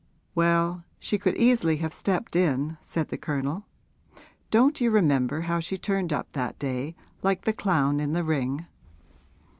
'Well, she could easily have stepped in,' said the Colonel. 'Don't you remember how she turned up that day, like the clown in the ring?'